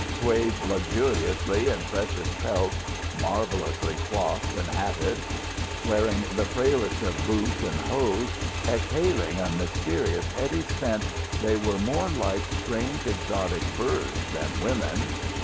Swathed luxuriously in precious pelts, marvelously coiffed and hatted, wearing the frailest of boots and hose, exhaling a mysterious heady scent they were more like strange exotic birds than women.